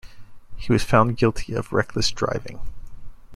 He was found guilty of reckless driving.